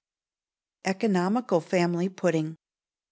Economical Family Pudding.